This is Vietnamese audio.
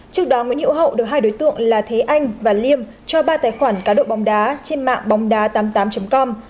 trước đó nguyễn hữu hậu được hai đối tượng là thế anh và liêm cho ba tài khoản cá độ bóng đá trên mạng bóng đá tám mươi tám com